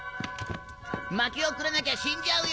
薪をくれなきゃ死んじゃうよ！